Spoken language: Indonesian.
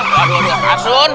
pa demok mana